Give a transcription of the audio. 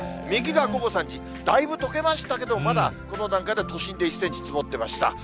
右が午後３時、だいぶとけましたけど、まだこの段階では、都心で１センチ積もってました。